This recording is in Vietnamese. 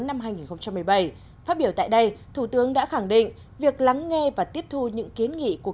năm hai nghìn một mươi bảy phát biểu tại đây thủ tướng đã khẳng định việc lắng nghe và tiếp thu những kiến nghị của